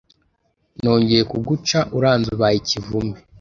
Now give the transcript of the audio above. Nongeye kuguca uranze ubaye ikivume